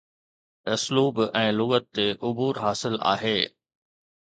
اسلوب ۽ لغت تي عبور حاصل آهي